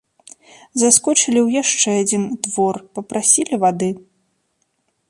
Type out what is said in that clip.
Заскочылі ў яшчэ адзін двор, папрасілі вады.